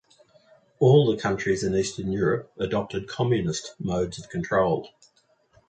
All the countries in Eastern Europe adopted communist modes of control.